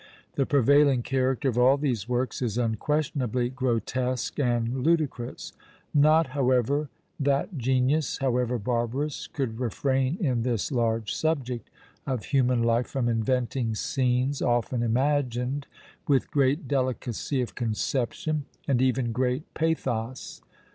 The prevailing character of all these works is unquestionably grotesque and ludicrous; not, however, that genius, however barbarous, could refrain in this large subject of human life from inventing scenes often imagined with great delicacy of conception, and even great pathos.